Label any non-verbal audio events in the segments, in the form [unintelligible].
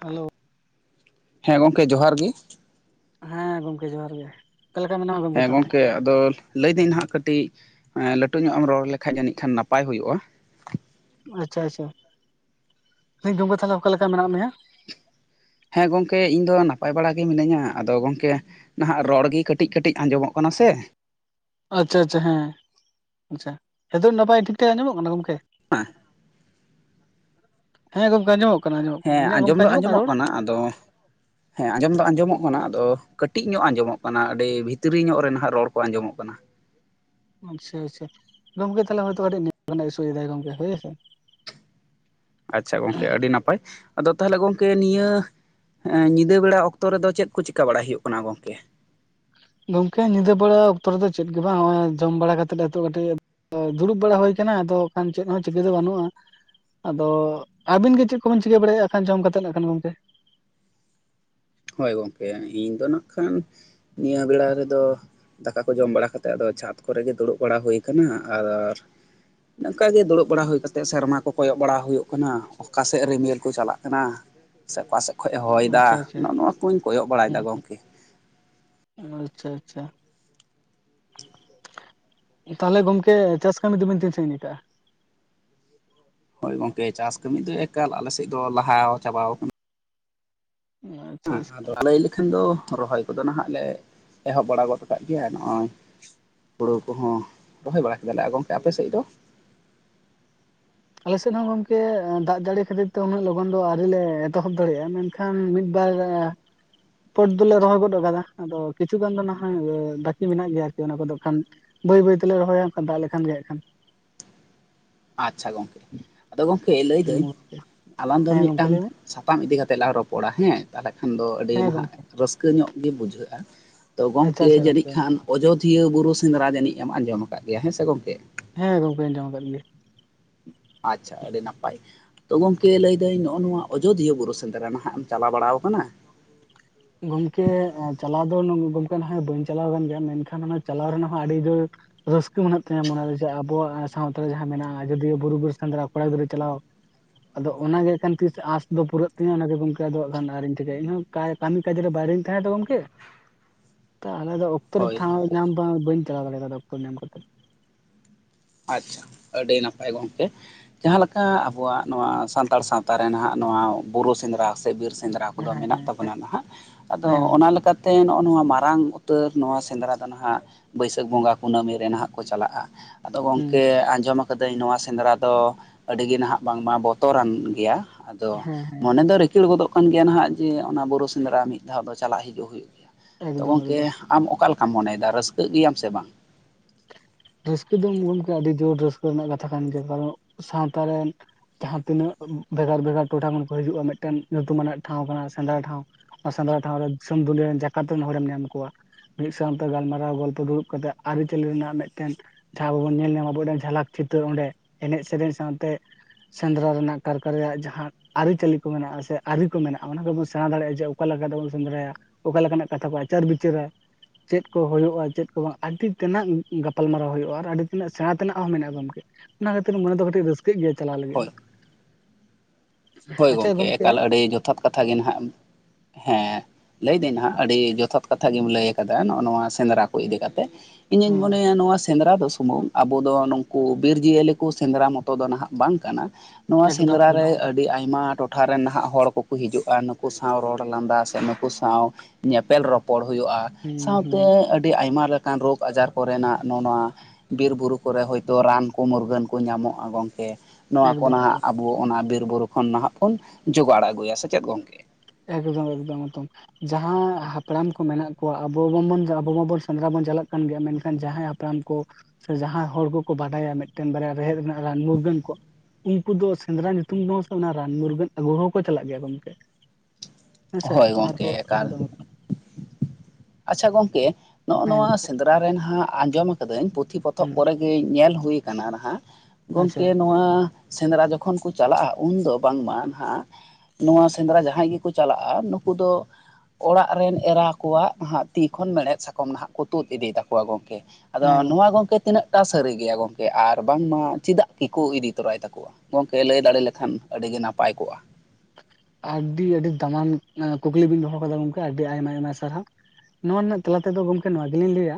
Hello. ᱦᱮᱸ ᱜᱚᱢᱠᱮ ᱡᱚᱦᱟᱨ ᱜᱮ᱾ ᱦᱮᱸ ᱜᱚᱢᱠᱮ ᱡᱚᱦᱟᱨ ᱜᱮ᱾ ᱚᱠᱟᱞᱮᱠᱟ ᱢᱮᱱᱟᱜ ᱦᱮᱸ ᱜᱚᱝᱠᱮ, ᱟᱫᱚ ᱞᱟᱹᱭᱫᱟᱹᱧ ᱱᱟᱦᱟᱸᱜ ᱠᱟᱹᱴᱤᱡ ᱞᱟᱹᱴᱩ ᱧᱚᱜ ᱮᱢ ᱨᱚᱲ ᱞᱮᱠᱷᱟᱱᱡ ᱡᱟᱹᱱᱤᱡ ᱠᱷᱟᱱ ᱱᱟᱯᱟᱭ ᱦᱩᱭᱩᱜ-ᱟ᱾ ᱟᱪᱪᱷᱟ ᱟᱪᱪᱷᱟ ᱦᱚᱭ ᱜᱚᱝᱠᱮ ᱛᱟᱦᱚᱞᱮ ᱚᱠᱟᱞᱮᱠᱟ ᱢᱮᱱᱟᱜ ᱢᱮᱭᱟ? ᱦᱮᱸ ᱜᱚᱢᱠᱮ ᱤᱧ ᱫᱚ ᱱᱟᱯᱟᱭ ᱵᱟᱲᱟ ᱜᱮ ᱢᱤᱱᱟᱹᱧᱟ ᱟᱫᱚ ᱜᱚᱢᱠᱮ ᱱᱟᱦᱟᱜ ᱨᱚᱲ ᱜᱮ ᱠᱟᱹᱴᱤᱡ ᱠᱟᱹᱴᱤᱡ ᱟᱸᱡᱚᱢᱚᱜ ᱠᱟᱱᱟ ᱥᱮ, ᱟᱪᱪᱷᱟ ᱟᱪᱪᱷᱟ ᱦᱮᱸ ᱟᱪᱪᱷᱟ ᱱᱤᱛᱚᱜ ᱱᱟᱯᱟᱭ ᱴᱷᱤᱠ ᱴᱷᱟᱠ ᱟᱸᱡᱚᱢᱚᱜ ᱠᱟᱱᱟ ᱜᱚᱝᱠᱮ? [unintelligible] ᱦᱮᱸ ᱜᱚᱝᱠᱮ ᱟᱹᱡᱚᱢᱚᱜ ᱦᱮᱸ ᱟᱸᱡᱚᱢ ᱫᱚ ᱟᱸᱡᱚᱢᱚᱜ ᱠᱟᱱᱟ ᱟᱫᱚ ᱦᱮᱸ ᱟᱸᱡᱚᱢ ᱫᱚ ᱟᱸᱡᱚᱢᱚᱜ ᱠᱟᱱᱟ ᱟᱫᱚ ᱠᱟᱹᱴᱤᱡ ᱧᱚᱜ ᱟᱸᱡᱚᱢᱚᱜ ᱠᱟᱱᱟ ᱟᱹᱰᱤ ᱵᱷᱤᱛᱨᱤ ᱧᱚᱜ ᱨᱮ ᱱᱟᱦᱟᱜ ᱨᱚᱲ ᱠᱚ ᱟᱸᱡᱚᱢᱚᱜ ᱠᱟᱱᱟ᱾ ᱟᱪᱪᱷᱟ ᱟᱪᱪᱷᱟ ᱜᱚᱝᱠᱮ ᱛᱟᱦᱞᱮ ᱦᱚᱭᱛᱚ ᱱᱮᱴ ᱨᱮᱱᱟᱜ ᱤᱥᱩᱫᱟᱭ ᱜᱚᱢᱠᱮ ᱦᱮᱭᱥᱮ? ᱟᱪᱪᱷᱟ ᱜᱚᱢᱠᱮ ᱟᱹᱰᱤ ᱱᱟᱯᱟᱭ ᱟᱫᱚ ᱛᱟᱦᱚᱞᱮ ᱜᱚᱢᱠᱮ ᱱᱤᱭᱟᱹ ᱧᱤᱫᱟᱹ ᱵᱮᱲᱟ ᱚᱠᱛᱚ ᱨᱮᱫᱚ ᱪᱮᱫ ᱠᱚ ᱪᱤᱠᱟ ᱵᱟᱲᱟᱭ ᱦᱩᱭᱩᱜ ᱠᱟᱱᱟ ᱜᱚᱝᱠᱮ? ᱜᱚᱝᱠᱮ ᱧᱤᱫᱟᱹ ᱵᱮᱲᱟ ᱚᱠᱛᱚ ᱨᱮᱫᱚ ᱪᱮᱫ ᱜᱮ ᱵᱟᱝ ᱱᱚᱜᱼᱚᱭ ᱡᱚᱢ ᱵᱟᱲᱟ ᱠᱟᱛᱮᱜ ᱠᱟᱹᱴᱤᱡ ᱫᱩᱲᱩᱵ ᱵᱟᱲᱟ ᱦᱩᱭ ᱟᱠᱟᱱᱟ ᱟᱫᱚ ᱠᱷᱟᱱ ᱪᱮᱫ ᱦᱚᱸ ᱪᱤᱠᱟᱹ ᱫᱚ ᱵᱟᱹᱱᱩᱜ-ᱟ᱾ ᱟᱫᱚ ᱟᱹᱵᱤᱱ ᱜᱮ ᱪᱮᱫ ᱠᱚᱵᱤᱱ ᱪᱤᱠᱟᱹ ᱵᱟᱲᱟᱭᱮᱜᱼᱟ ᱠᱷᱟᱱ ᱡᱚᱢ ᱠᱟᱛᱮᱫ ᱱᱟᱜ ᱠᱷᱟᱱ ᱜᱚᱝᱠᱮ? ᱦᱳᱭ ᱜᱚᱝᱠᱮ ᱤᱧ ᱫᱚ ᱱᱟᱜ ᱠᱷᱟᱱ ᱱᱤᱭᱟᱹ ᱵᱮᱲᱟ ᱨᱮᱫᱚ ᱫᱟᱠᱟ ᱠᱚ ᱡᱚᱢ ᱵᱟᱲᱟ ᱠᱟᱛᱮ ᱟᱫᱚ ᱪᱷᱟᱸᱛ ᱠᱚᱨᱮᱜᱮ ᱫᱩᱲᱩᱵ ᱵᱟᱲᱟ ᱦᱩᱭ ᱠᱟᱱᱟ ᱟᱨ ᱱᱚᱝᱠᱟ ᱜᱮ ᱫᱩᱲᱩᱵ ᱵᱟᱲᱟ ᱦᱩᱭ ᱠᱟᱛᱮᱫ ᱥᱮᱨᱢᱟ ᱠᱚ ᱠᱚᱭᱚᱜ ᱵᱟᱲᱟ ᱦᱩᱭᱩᱜ ᱠᱟᱱᱟ᱾ ᱚᱠᱟ ᱥᱮᱫ ᱨᱤᱢᱤᱞ ᱠᱚ ᱪᱟᱞᱟᱜ ᱠᱟᱱᱟ, ᱥᱮ ᱚᱠᱟ ᱥᱮᱫ ᱠᱷᱚᱡ ᱮ ᱦᱚᱭ ᱮᱫᱟ ᱟᱪᱪᱷᱟ ᱟᱪᱪᱷᱟ ᱱᱚᱜᱼᱚ ᱱᱚᱣᱟ ᱠᱩᱧ ᱠᱚᱭᱚᱜ ᱵᱟᱲᱟᱭᱮᱫᱟ ᱜᱚᱝᱠᱮ᱾ ᱚ ᱟᱪᱪᱷᱟ ᱟᱪᱪᱷᱟ᱾ ᱛᱟᱦᱞᱮ ᱜᱚᱢᱠᱮ ᱪᱟᱥ ᱠᱟᱹᱢᱤ ᱫᱚᱵᱤᱱ ᱛᱤᱱ ᱥᱟᱺᱜᱤᱧ ᱠᱟᱹᱜᱼᱟ? ᱦᱳᱭ ᱜᱚᱝᱠᱮ ᱪᱟᱥ ᱠᱟᱹᱢᱤ ᱫᱚ ᱮᱠᱟᱞ ᱟᱞᱮ ᱥᱮᱫ ᱫᱚ ᱞᱟᱦᱟ ᱪᱟᱵᱟᱣ ᱠᱟᱱᱟ᱾ ᱟᱪᱪᱷᱟ ᱮ ᱟᱫᱚ ᱟᱪᱪᱷᱟ ᱞᱟᱹᱭ ᱞᱮᱠᱷᱟᱱ ᱫᱚ ᱨᱚᱦᱚᱭ ᱠᱚᱫᱚ ᱱᱟᱦᱟᱜ ᱞᱮ ᱮᱦᱚᱵ ᱵᱟᱲᱟ ᱜᱚᱫ ᱠᱟᱜ ᱜᱮᱭᱟ ᱱᱚᱜᱼᱚᱭ ᱦᱩᱲᱩ ᱠᱚᱦᱚᱸ ᱨᱚᱦᱚᱭ ᱵᱟᱲᱟ ᱠᱮᱫᱟᱞᱮ ᱟᱨ ᱜᱚᱝᱠᱮ ᱟᱯᱮ ᱥᱮᱫ ᱫᱚ? ᱟᱞᱮ ᱥᱮᱱ ᱦᱚᱸ ᱜᱚᱢᱠᱮ ᱫᱟᱜ ᱡᱟᱹᱲᱤ ᱠᱷᱟᱹᱛᱤᱨ ᱛᱮ ᱩᱱᱟᱹᱜ ᱞᱚᱜᱚᱱ ᱫᱚ ᱟᱹᱣᱨᱤ ᱞᱮ ᱮᱛᱚᱦᱚᱵ ᱫᱟᱲᱮᱭᱟᱜᱼᱟ ᱢᱮᱱ ᱠᱷᱟᱱ ᱢᱤᱫ ᱵᱟᱨ ᱟ ᱯᱚᱴ ᱫᱚᱞᱮ ᱨᱚᱦᱚᱭ ᱜᱚᱫ ᱟᱠᱟᱫᱟ ᱟᱫᱚ ᱠᱤᱪᱷᱩ ᱜᱟᱱ ᱫᱚ ᱱᱟᱦᱟᱜ ᱮ ᱵᱟᱹᱠᱤ ᱢᱮᱱᱟᱜ ᱜᱮᱭᱟ ᱟᱨᱠᱤ ᱚᱱᱟ ᱠᱚᱫᱚ ᱠᱷᱟᱱ ᱵᱟᱹᱭ ᱵᱟᱹᱭ ᱛᱮᱞᱮ ᱨᱚᱦᱚᱭᱟ ᱠᱷᱟᱱ ᱫᱟᱜ ᱞᱮᱠᱷᱟᱱ ᱜᱮ ᱠᱷᱟᱱ᱾ ᱟᱪᱪᱷᱟ ᱜᱚᱝᱠᱮ, ᱟᱫᱚ ᱜᱚᱝᱠᱮ ᱦᱮᱸ ᱞᱟᱹᱭᱫᱟᱹᱧ ᱜᱚᱝᱠᱮ ᱟᱞᱟᱝ ᱫᱚ ᱦᱮᱸ ᱜᱚᱝᱠᱮ ᱢᱤᱫᱴᱟᱝ ᱞᱟᱹᱭ ᱢᱮ ᱥᱟᱛᱟᱢ ᱤᱫᱤ ᱠᱟᱛᱮᱜ ᱞᱟᱝ ᱨᱚᱯᱚᱲᱟ ᱦᱮᱸ ᱛᱟᱞᱦᱮ ᱠᱷᱟᱱ ᱫᱚ ᱟᱹᱰᱤ ᱦᱮᱸ ᱱᱟᱦᱟᱜ ᱜᱚᱝᱠᱮ ᱨᱟᱹᱥᱠᱟᱹ ᱧᱚᱜ ᱜᱮ ᱵᱩᱡᱷᱟᱹᱜᱼᱟ᱾ ᱛᱚ ᱟᱪᱪᱷᱟ ᱜᱚᱝᱠᱮ ᱟᱪᱪᱷᱟ ᱡᱟᱹᱱᱤᱡ ᱠᱷᱟᱱ ᱚᱡᱚᱫᱷᱤᱭᱟᱹ ᱵᱩᱨᱩ ᱥᱮᱸᱫᱽᱨᱟ ᱡᱟᱹᱱᱤᱡ ᱮᱢ ᱟᱸᱡᱚᱢ ᱟᱠᱟᱫ ᱜᱮᱭᱟ, ᱦᱮᱸ ᱥᱮ ᱜᱚᱝᱠᱮ? ᱦᱮᱸ ᱜᱚᱝᱠᱮ ᱟᱸᱡᱚᱢ ᱟᱠᱟᱫ ᱜᱮᱭᱟ᱾ ᱟᱪᱪᱷᱟ ᱟᱹᱰᱤ ᱱᱟᱯᱟᱭ᱾ ᱛᱚ ᱜᱚᱝᱠᱮ ᱞᱟᱹᱭᱫᱟᱹᱧ ᱱᱚᱜᱼᱚ ᱱᱚᱣᱟ ᱚᱡᱚᱫᱷᱤᱭᱟᱹ ᱵᱩᱨᱩ ᱥᱮᱸᱫᱽᱨᱟ ᱱᱟᱦᱟᱜ ᱮᱢ ᱪᱟᱞᱟᱣ ᱵᱟᱲᱟ ᱟᱠᱟᱱᱟ? ᱜᱚᱢᱠᱮ ᱪᱟᱞᱟᱣ ᱫᱚ ᱱᱚ ᱜᱚᱢᱠᱮ ᱱᱟᱦᱟᱜ ᱵᱟᱹᱧ ᱪᱟᱞᱟᱣ ᱟᱠᱟᱱ ᱜᱮᱭᱟ ᱢᱮᱱᱠᱷᱟᱱ ᱚᱱᱟ ᱪᱟᱞᱟᱣ ᱨᱮᱱᱟᱜ ᱦᱚᱸ ᱟᱹᱰᱤ ᱡᱳᱨ ᱨᱟᱹᱥᱠᱟᱹ ᱢᱮᱱᱟᱜ ᱛᱤᱧᱟᱹ ᱢᱚᱱᱮᱨᱮ ᱡᱮ ᱟᱵᱚᱣᱟᱜ ᱥᱟᱶᱛᱟ ᱨᱮ ᱡᱟᱦᱟᱸ ᱢᱮᱱᱟᱜᱼᱟ ᱟᱡᱚᱫᱤᱭᱟᱹ ᱵᱩᱨᱩ ᱜᱩᱨᱩ ᱥᱮᱸᱫᱽᱨᱟ ᱠᱚᱲᱟ ᱜᱤᱫᱽᱨᱟᱹ ᱪᱟᱞᱟᱣ᱾ ᱟᱫᱚ ᱚᱱᱟ ᱜᱮ ᱮᱠᱷᱟᱱ ᱛᱤᱥ ᱟᱥ ᱫᱚ ᱯᱩᱨᱟᱹᱜ ᱛᱤᱧᱟᱹ ᱚᱱᱟᱜᱮ ᱜᱚᱝᱠᱮ ᱟᱫᱚ ᱟᱠᱷᱟᱱ ᱟᱹᱣᱨᱤᱧ ᱴᱤᱠᱟᱹᱭᱟ ᱤᱧ ᱦᱚᱸ ᱠᱟᱭ ᱠᱟᱹᱢᱤ ᱠᱟᱡ ᱨᱮ ᱵᱟᱭᱨᱤᱧ ᱛᱟᱦᱮᱸᱱᱟ ᱛᱚ ᱜᱚᱢᱠᱮ ᱛᱚ ᱟᱞᱮ ᱫᱚ ᱚᱠᱛᱚ ᱨᱮ ᱦᱳᱭ ᱴᱷᱟᱶ ᱜᱚᱝᱠᱮ ᱧᱟᱢ ᱵᱟᱝ ᱵᱟᱹᱧ ᱪᱟᱞᱟᱣ ᱫᱟᱲᱮ ᱠᱟᱣᱟ ᱚᱠᱛᱚ ᱧᱟᱢ ᱠᱟᱛᱮᱫ᱾ ᱟᱪᱪᱷᱟ ᱟᱹᱰᱤ ᱱᱟᱯᱟᱭ ᱜᱚᱝᱠᱮ᱾ ᱡᱟᱦᱟᱸ ᱞᱮᱠᱟ ᱟᱵᱚᱣᱟᱜ ᱱᱚᱣᱟ ᱥᱟᱱᱛᱟᱲ ᱥᱟᱶᱛᱟ ᱨᱮ ᱱᱟᱦᱟᱜ ᱱᱚᱣᱟ ᱵᱳᱨᱳ ᱥᱮᱸᱫᱽᱨᱟ ᱥᱮ ᱵᱤᱨ ᱥᱮᱸᱫᱽᱨᱟ ᱦᱮᱸ ᱠᱚᱫᱚ ᱢᱮᱱᱟᱜ ᱦᱮᱸ ᱛᱟᱵᱚᱱᱟ ᱱᱟᱦᱟᱜ ᱟᱫᱚ ᱦᱮᱸ ᱜᱚᱢᱠᱮ ᱚᱱᱟ ᱞᱮᱠᱟ ᱛᱮ ᱱᱚᱜᱼᱚ ᱱᱚᱣᱟ ᱢᱟᱨᱟᱝ ᱩᱛᱟᱹᱨ ᱱᱚᱣᱟ ᱥᱮᱸᱫᱽᱨᱟ ᱫᱚ ᱱᱟᱦᱟᱜ ᱵᱟᱹᱭᱥᱟᱹᱠᱷ ᱵᱚᱸᱜᱟ ᱠᱩᱱᱟᱹᱢᱤ ᱨᱮ ᱱᱟᱦᱟᱜ ᱠᱚ ᱪᱟᱞᱟᱜᱼᱟ᱾ ᱟᱫᱚ ᱦᱩᱸ ᱜᱚᱝᱠᱮ ᱟᱸᱡᱚᱢ ᱟᱠᱟᱫᱟᱹᱧ ᱱᱚᱣᱟ ᱥᱮᱸᱫᱽᱨᱟ ᱫᱚ ᱟᱹᱰᱤ ᱜᱮ ᱱᱟᱦᱟᱜ ᱵᱟᱝᱢᱟ ᱵᱚᱛᱚᱨᱟᱱ ᱜᱮᱭᱟ᱾ ᱟᱫᱚ ᱦᱮᱸ ᱦᱮᱸ ᱢᱚᱱᱮ ᱫᱚ ᱨᱤᱠᱤᱲ ᱜᱚᱫᱚᱜ ᱠᱟᱱ ᱜᱮᱭᱟ ᱱᱟᱦᱟᱜ ᱡᱮ ᱚᱱᱟ ᱵᱩᱨᱩ ᱥᱮᱸᱫᱽᱨᱟ ᱢᱤᱫ ᱫᱷᱟᱣ ᱫᱚ ᱪᱟᱞᱟᱜ ᱦᱤᱡᱩᱜ ᱦᱩᱭᱩᱜ ᱜᱮᱭᱟ᱾ ᱛᱚ ᱮᱠᱫᱚᱢ ᱮᱠᱫᱚᱢ ᱜᱚᱝᱠᱮ ᱟᱢ ᱚᱠᱟᱞᱮᱠᱟᱢ ᱢᱚᱱᱮᱭᱮᱫᱟ ᱨᱟᱹᱥᱠᱟᱹᱜ ᱜᱮᱭᱟᱢ ᱥᱮ ᱵᱟᱝ? ᱨᱟᱹᱥᱠᱟᱹ ᱫᱚᱢ ᱜᱚᱢᱠᱮ ᱟᱹᱰᱤ ᱡᱳᱨ ᱨᱟᱹᱥᱠᱟᱹ ᱨᱮᱱᱟᱜ ᱠᱟᱛᱷᱟ ᱠᱟᱱ ᱜᱮᱭᱟ ᱠᱟᱨᱚᱱ ᱥᱟᱶᱛᱟ ᱨᱮᱱ ᱡᱟᱦᱟᱸ ᱛᱤᱱᱟᱹᱜ ᱵᱷᱮᱜᱟᱨ ᱵᱷᱮᱜᱟᱨ ᱴᱚᱴᱷᱟ ᱠᱷᱚᱱ ᱠᱚ ᱦᱤᱡᱩᱜᱼᱟ ᱢᱤᱫᱴᱮᱱ ᱧᱩᱢᱟᱱᱟᱜ ᱴᱷᱟᱶ ᱠᱟᱱᱟ ᱥᱮᱸᱫᱽᱨᱟ ᱴᱷᱟᱶ᱾ ᱚᱱᱟ ᱥᱮᱸᱫᱽᱨᱟ ᱴᱷᱟᱶ ᱨᱮ ᱫᱤᱥᱚᱢ ᱫᱩᱞᱤᱭᱟᱹ ᱨᱮᱱ ᱡᱟᱠᱟᱛ ᱨᱮᱱ ᱦᱚᱲᱮᱢ ᱧᱟᱢ ᱠᱚᱣᱟ᱾ ᱢᱤᱫ ᱥᱟᱶᱛᱮ ᱜᱟᱞᱢᱟᱨᱟᱣ ᱜᱚᱞᱯᱚ ᱫᱩᱲᱩᱵ ᱠᱟᱛᱮᱜ ᱟᱹᱨᱤᱪᱟᱹᱞᱤ ᱨᱮᱱᱟᱜ ᱢᱤᱫ ᱴᱮᱱ ᱡᱟᱦᱟᱸ ᱵᱟᱵᱚ ᱵᱚᱱ ᱧᱮᱞ ᱧᱟᱢᱟ ᱟᱵᱚ ᱴᱮᱱ ᱡᱷᱟᱞᱟᱠ ᱪᱤᱛᱟᱹᱨ ᱚᱸᱰᱮ ᱮᱱᱮᱡ ᱥᱮᱨᱮᱧ ᱥᱟᱶᱛᱮ ᱥᱮᱸᱫᱽᱨᱟ ᱨᱮᱱᱟᱜ ᱠᱟᱨᱠᱟ ᱨᱮᱭᱟᱜ ᱡᱟᱦᱟᱸ, ᱟᱹᱨᱤᱪᱟᱹᱞᱤ ᱠᱚ ᱢᱮᱱᱟᱜᱼᱟ ᱥᱮ ᱟᱹᱨᱤ ᱠᱚ ᱢᱮᱱᱟᱜᱼᱟ ᱚᱱᱟ ᱠᱚᱵᱚᱱ ᱥᱮᱬᱟ ᱫᱟᱲᱮᱭᱟᱜᱼᱟ ᱡᱮ ᱚᱠᱟ ᱞᱮᱠᱟ ᱛᱮᱵᱚᱱ ᱥᱮᱱᱫᱨᱟᱭᱟ᱾ ᱚᱠᱟ ᱞᱮᱠᱟᱱᱟᱜ ᱠᱟᱛᱷᱟ ᱠᱚ ᱟᱪᱟᱨ ᱵᱤᱪᱟᱹᱨᱟ, ᱪᱮᱫ ᱠᱚ ᱦᱩᱭᱩᱜᱼᱟ ᱪᱮᱫ ᱠᱚ ᱵᱟᱝ, ᱟᱹᱰᱤ ᱛᱮᱱᱟᱜ ᱜᱟᱯ ᱯᱟᱞᱢᱟᱨᱟᱣ ᱦᱩᱭᱩᱜᱼᱟ ᱟᱨ ᱟᱹᱰᱤ ᱛᱤᱱᱟᱹᱜ ᱥᱮᱬᱟ ᱛᱮᱱᱟᱜ ᱦᱚᱸ ᱢᱮᱱᱟᱜᱼᱟ ᱜᱚᱢᱠᱮ, ᱚᱱᱟ ᱠᱷᱟᱹᱛᱤᱨ ᱢᱚᱱᱮ ᱫᱚ ᱠᱟᱹᱴᱤᱡ ᱨᱟᱹᱥᱠᱟᱹᱜ ᱜᱮᱭᱟ ᱪᱟᱞᱟᱣ ᱞᱟᱹᱜᱤᱫ ᱦᱳᱭ ᱫᱚ᱾ [inaudible] ᱦᱳᱭ ᱟᱪᱪᱷᱟ ᱜᱚᱝᱠᱮ ᱜᱚᱢᱠᱮ ᱮᱠᱟᱞ ᱟᱹᱰᱤ ᱡᱚᱛᱷᱟᱛ ᱠᱟᱛᱷᱟ ᱜᱮ ᱱᱟᱦᱟᱜ ᱮᱢ ᱦᱮᱸ ᱞᱟᱹᱭ ᱫᱟᱹᱧ ᱦᱟᱸᱜ ᱟᱹᱰᱤ ᱡᱚᱛᱷᱟᱛ ᱠᱟᱛᱷᱟ ᱜᱮᱢ ᱞᱟᱹᱭ ᱟᱠᱟᱫᱟ ᱱᱚᱜ-ᱚ ᱱᱚᱣᱟ ᱥᱮᱸᱫᱽᱨᱟ ᱠᱚ ᱤᱫᱤ ᱠᱟᱛᱮᱫ᱾ ᱤᱧ ᱤᱧ ᱢᱚᱱᱮᱭᱟ ᱱᱚᱣᱟ ᱥᱮᱸᱫᱽᱨᱟ ᱫᱚ ᱥᱩᱢᱩᱝ ᱟᱵᱚ ᱫᱚ ᱱᱩᱠᱩ ᱵᱤᱨ ᱡᱤᱭᱟᱹᱞᱤ ᱠᱚ ᱥᱮᱸᱫᱽᱨᱟ ᱢᱚᱛᱚ ᱫᱚ ᱱᱟᱦᱟᱜ ᱵᱟᱝ ᱠᱟᱱᱟ᱾ ᱱᱚᱣᱟ ᱮᱠᱫᱚᱢ ᱥᱮᱸᱫᱽᱨᱟ ᱨᱮ ᱮᱠᱫᱚᱢ ᱟᱹ- ᱰᱤ ᱟᱭᱢᱟ ᱴᱚᱴᱷᱟ ᱨᱮᱱ ᱱᱟᱦᱟᱜ ᱦᱚᱲ ᱠᱚᱠᱚ ᱦᱤᱡᱩᱜ-ᱟ, ᱱᱩᱠᱩ ᱥᱟᱶ ᱨᱚᱲ ᱞᱟᱸᱫᱟ ᱥᱮ ᱱᱩᱠᱩ ᱥᱟᱶ ᱧᱮᱯᱮᱞ ᱨᱚᱯᱚᱲ ᱦᱩᱭᱩᱜ-ᱟ ᱦᱩᱸ ᱥᱟᱶᱛᱮ ᱦᱩᱸ ᱟᱹᱰᱤ ᱟᱭᱢᱟ ᱞᱮ- ᱠᱟᱱ ᱨᱳᱜ-ᱟᱡᱟᱨ ᱠᱚᱨᱮᱱᱟᱜ ᱱᱚᱜ-ᱚ ᱱᱚᱣᱟ ᱵᱤᱨ ᱵᱩᱨᱩ ᱠᱚᱨᱮ ᱦᱚᱭ ᱛᱳ ᱨᱟᱱ ᱠᱚ ᱢᱩᱨᱜᱟᱹᱱ ᱠᱚ ᱧᱟᱢᱚᱜ-ᱟ ᱜᱚᱢᱠᱮ᱾ ᱱᱚᱣᱟ ᱠᱚ ᱮᱠᱫᱚᱢ ᱱᱟᱦᱟᱜ ᱮᱠᱫᱚᱢ ᱟᱵᱚ ᱚᱱᱟ ᱵᱤᱨ ᱵᱩᱨᱩ ᱠᱷᱚᱱ ᱱᱟᱦᱟᱜ ᱵᱚᱱ ᱡᱚᱜᱟᱲ ᱟᱹᱜᱩᱭᱟ ᱥᱮ ᱪᱮᱫ ᱜᱚᱝᱠᱮ? ᱮᱠᱫᱚᱢ ᱮᱠᱫᱚᱢ ᱮᱫᱚᱢ, ᱡᱟᱦᱟᱸ ᱦᱟᱯᱲᱟᱢ ᱠᱚ ᱢᱮᱱᱟᱜ ᱠᱚᱣᱟ ᱟᱵᱚ ᱟᱵᱚ ᱢᱟᱵᱚᱱ ᱥᱮᱸᱫᱽᱨᱟ ᱵᱚᱱ ᱪᱟᱞᱟᱜ ᱠᱟᱱ ᱜᱮᱭᱟ ᱢᱮᱱᱠᱷᱟᱱ ᱡᱟᱦᱟᱸᱭ ᱦᱟᱯᱲᱟᱢ ᱠᱚ ᱥᱮ ᱡᱟᱦᱟᱸᱭ ᱦᱚᱲ ᱠᱚᱠᱚ ᱵᱟᱰᱟᱭᱟ ᱢᱤᱫᱴᱮᱱ ᱵᱟᱨᱭᱟ ᱨᱮᱦᱮᱫ ᱨᱮᱱᱟᱜ ᱨᱟᱱ ᱢᱩᱨᱜᱟᱹᱱ ᱠᱚ᱾ ᱩᱱᱠᱩ ᱫᱚ ᱥᱮᱸᱫᱽᱨᱟ ᱧᱩᱛᱩᱢ ᱛᱮᱦᱚᱸ ᱥᱮ ᱚᱱᱟ ᱨᱟᱱ ᱢᱩᱨᱜᱟᱹᱱ ᱟᱹᱜᱩ ᱦᱚᱸ ᱠᱚ ᱪᱟᱞᱟᱜ ᱜᱮᱭᱟ ᱜᱚᱢᱠᱮ᱾ ᱦᱮᱸᱥᱮ ᱦᱳᱭ ᱚᱱᱟ ᱜᱚᱝᱠᱮ ᱠᱚ᱾ ᱮᱠᱟᱞ ᱮᱠᱫᱚᱢ ᱮᱠᱫᱚᱢ, ᱟᱪᱪᱷᱟ ᱜᱚᱝᱠᱮ ᱱᱚᱜ-ᱚ ᱦᱮᱸ ᱱᱚᱣᱟ ᱜᱚᱢᱠᱮ ᱥᱮᱸᱫᱽᱨᱟ ᱨᱮᱱ ᱦᱟᱸᱜ ᱟᱸᱡᱚᱢ ᱟᱠᱟᱫᱟᱹᱧ ᱯᱩᱛᱷᱤ, ᱯᱚᱛᱚᱵ ᱦᱮᱸ ᱠᱚᱨᱮ- ᱡᱮ ᱧᱮᱞ ᱦᱩᱭ ᱟᱠᱟᱱᱟ ᱱᱟᱦᱟᱜ ᱟᱪᱪᱷᱟ ᱜᱚᱝᱠᱮ ᱱᱚ- ᱣᱟ ᱥᱮᱸᱫᱽᱨᱟ ᱡᱚᱠᱷᱚᱱ ᱠᱚ ᱪᱟᱞᱟᱜ-ᱟ ᱩᱱ ᱫᱚ ᱵᱟᱝᱢᱟ ᱱᱟᱦᱟᱜ ᱱᱚᱣᱟ ᱥᱮᱸᱫᱽᱨᱟ ᱡᱟᱦᱟᱸᱭ ᱜᱮᱠᱚ ᱪᱟᱞᱟᱜ-ᱟ ᱱᱩᱠᱩ ᱫᱚ ᱚᱲᱟᱜ ᱨᱮᱱ ᱮᱨᱟ ᱠᱚᱣᱟᱜ ᱦᱟᱸᱜ ᱛᱤ ᱠᱷᱚᱱ ᱢᱮᱬᱦᱮᱫ ᱥᱟᱠᱚᱢ ᱱᱟᱦᱟᱜ ᱠᱚ ᱛᱩᱫ ᱤᱫᱤᱭ ᱛᱟᱠᱚᱣᱟ ᱜᱚᱝᱠᱮ᱾ ᱟᱫᱚ ᱦᱮᱸ ᱜᱚᱢᱠᱮ ᱱᱚᱣᱟ ᱜᱚᱝᱠᱮ ᱛᱤᱱᱟᱹᱜ ᱴᱟ ᱥᱟᱹᱨᱤ ᱜᱮᱭᱟ ᱜᱚᱢᱠᱮ ᱟᱨ ᱵᱟᱝᱢᱟ ᱪᱮᱫᱟᱜ ᱜᱮᱠᱚ ᱤᱫᱤ ᱛᱚᱨᱟᱭ ᱛᱟᱠᱚᱣᱟ? ᱜᱚᱝᱠᱮ ᱞᱟᱹᱭ ᱫᱟᱲᱮ ᱞᱮᱠᱷᱟᱱ ᱟᱹᱰᱤ ᱜᱮ ᱱᱟᱯᱟᱭ ᱠᱚᱜ-ᱟ᱾ ᱟᱹᱰᱤ ᱟᱹᱰᱤ ᱫᱟᱢᱟᱱ ᱠᱩᱠᱞᱤ ᱵᱤᱱ ᱫᱚᱦᱚ ᱟᱠᱟᱫᱟ ᱜᱚᱝᱠᱮ ᱟᱹᱰᱤ ᱟᱭᱢᱟ ᱟᱭᱢᱟ ᱥᱟᱨᱦᱟᱣ᱾ ᱱᱚᱣᱟ ᱨᱮᱱᱟᱜ ᱛᱟᱞᱟ ᱛᱮᱫᱚ ᱜᱚᱢᱠᱮ ᱱᱚᱣᱟ ᱜᱮᱞᱤᱧ ᱞᱟᱹᱭᱟ